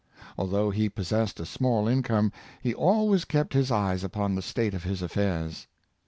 Although he possessed a small income, he always kept his eyes upon the state of his affairs.